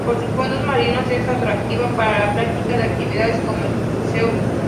Por sus fondos marinos es atractiva para la práctica de actividades como el buceo.